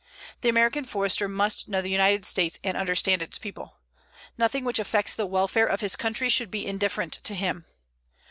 The American Forester must know the United States and understand its people. Nothing which affects the welfare of his country should be indifferent to him.